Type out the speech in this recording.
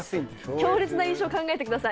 強烈な印象を考えてください。